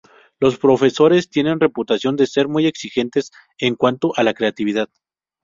Los profesores tienen reputación de ser muy exigentes en cuanto a la creatividad.